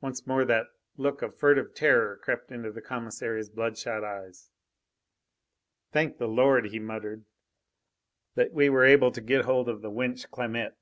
Once more that look of furtive terror crept into the commissary's bloodshot eyes. "Thank the Lord," he muttered, "that we were able to get hold of the wench Clamette!"